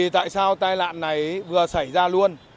tại sao tai nạn này vừa xảy ra luôn